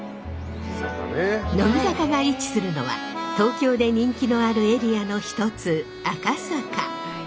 乃木坂が位置するのは東京で人気のあるエリアの一つ赤坂。